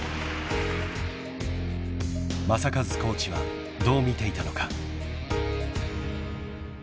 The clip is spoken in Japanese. ［正和コーチはどう見ていたのか？］